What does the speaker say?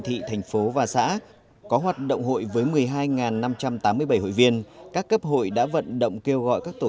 thị thành phố và xã có hoạt động hội với một mươi hai năm trăm tám mươi bảy hội viên các cấp hội đã vận động kêu gọi các tổ